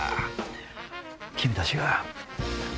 君たちが。